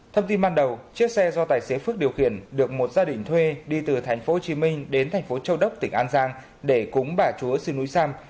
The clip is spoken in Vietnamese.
thông tin ban đầu chiếc xe do tài xế phước điều khiển được một gia đình thuê đi từ thành phố hồ chí minh đến thành phố châu đốc tỉnh an giang để cúng bà chúa sư núi sam